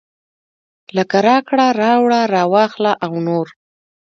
لکه راکړه راوړه راواخله او نور.